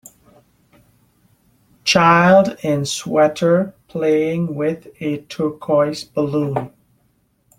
Child in sweater playing with a turquoise balloon.